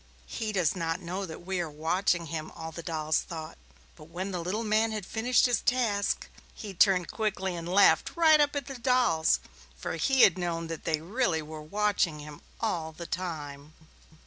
"He does not know that we are watching him," the dolls all thought, but when the little man had finished his task, he turned quickly and laughed right up at the dolls, for he had known that they were watching him all the time.